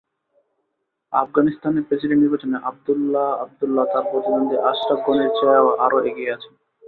আফগানিস্তানে প্রেসিডেন্ট নির্বাচনে আবদুল্লাহ আবদুল্লাহ তাঁর প্রতিদ্বন্দ্বী আশরাফ গনির চেয়ে আরও এগিয়ে গেছেন।